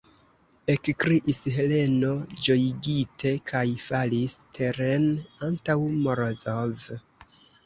ekkriis Heleno ĝojigite kaj falis teren antaŭ Morozov.